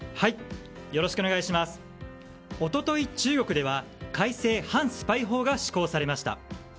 一昨日、中国では改正反スパイ法が施行されました。